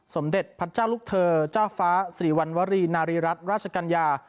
สมเด็จพระเจ้าลูกเธอเจ้าฟ้าสิริวัณวรีนารีรัฐราชกัญญา